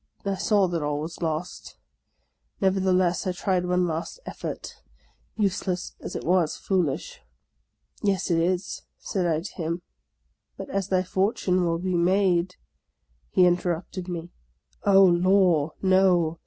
" I SP.W that all was lost ; nevertheless, I tried one last effort, useless as it was foolish. " Yes, it is," said I to him ;" but as thy fortune will be made —" He interrupted me. " Oh, law, no